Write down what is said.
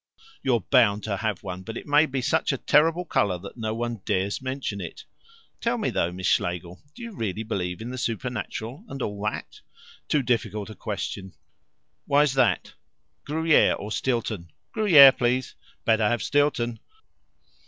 "You're bound to have one, but it may be such a terrible colour that no one dares mention it." "Tell me, though, Miss Schlegel, do you really believe in the supernatural and all that?" "Too difficult a question." "Why's that? Gruyere or Stilton?" "Gruyere, please." "Better have Stilton."